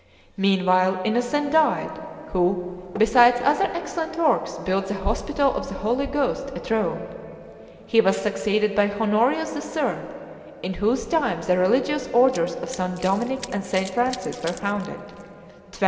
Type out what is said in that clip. Meanwhile, Innocent died, who, besides other excellent works, built the hospital of the Holy Ghost at Rome. He was succeeded by Honorius III., in whose time the religious orders of St. Dominic and St. Francis were founded, 1218.